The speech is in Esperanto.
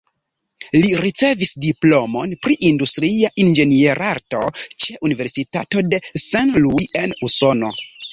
Li ricevis diplomon pri industria inĝenierarto ĉe Universitato de Saint Louis en Usono.